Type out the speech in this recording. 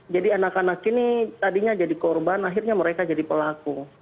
jadi anak anak ini tadinya jadi korban akhirnya mereka jadi pelaku